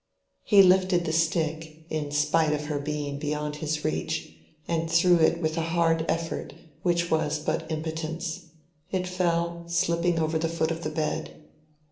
He lifted the stick, in spite of her being beyond his reach, and threw it with a hard effort which was but impotence. It fell, slipping over the foot of the bed.